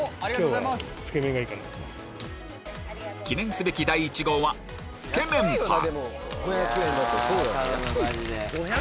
記念すべき第１号はつけ麺パン